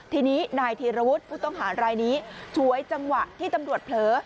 ทีนี้นายธีรวุฒิผู้ต้องหารายนี้ฉวยจังหวะที่ตำรวจเผลอ